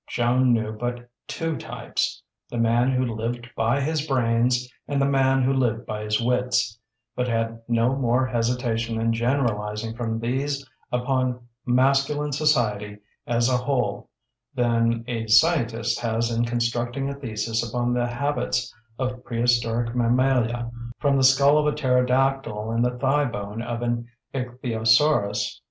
Joan knew but two types, the man who lived by his brains and the man who lived by his wits, but had no more hesitation in generalizing from these upon masculine society as a whole than a scientist has in constructing a thesis upon the habits of prehistoric mammalia from the skull of a pterodactyl and the thigh bone of an ichthyosaurus....